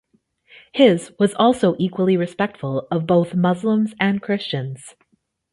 His was also equally respectful of both Muslims and Christians.